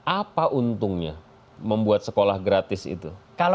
apa untungnya membuat sekolah gratis itu